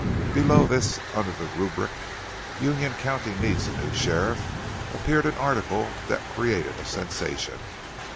Below this, under the rubric, "Union County Needs a New Sheriff," appeared an article that created a sensation.